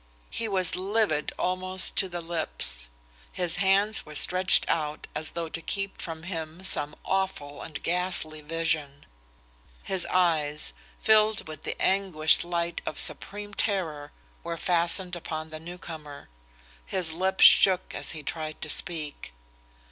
He was livid almost to the lips. His hands were stretched out as though to keep from him some awful and ghastly vision. His eyes, filled with the anguished light of supreme terror, were fastened upon the newcomer. His lips shook as he tried to speak.